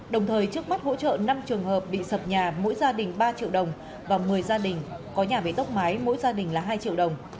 đồng thời trước mắt hỗ trợ năm trường hợp bị sập nhà mỗi gia đình ba triệu đồng và một mươi gia đình có nhà bị tốc mái mỗi gia đình là hai triệu đồng